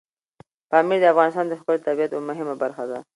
پامیر د افغانستان د ښکلي طبیعت یوه مهمه برخه ده.